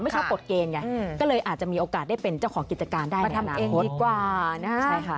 ชอบกฎเกณฑ์ไงก็เลยอาจจะมีโอกาสได้เป็นเจ้าของกิจการได้มาทำเองดีกว่านะคะ